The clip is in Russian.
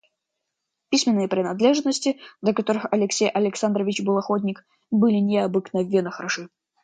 Письменные принадлежности, до которых Алексей Александрович был охотник, были необыкновенно хороши.